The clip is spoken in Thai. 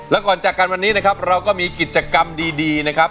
แล้วก่อนจากกันวันนี้นะครับเราก็มีกิจกรรมดีนะครับ